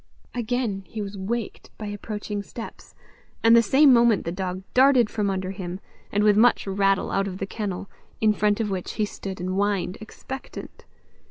Again he was waked by approaching steps, and the same moment the dog darted from under him, and with much rattle out of the kennel, in front of which he stood and whined expectant.